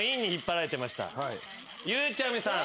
ゆうちゃみさん。